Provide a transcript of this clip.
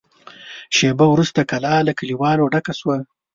شېبه وروسته کلا له کليوالو ډکه شوه.